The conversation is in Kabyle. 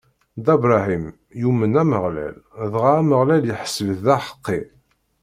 Dda Bṛahim yumen Ameɣlal, dɣa Ameɣlal iḥesb-it d aḥeqqi.